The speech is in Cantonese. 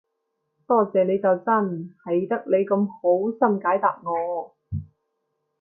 多謝你就真，係得你咁好心解答我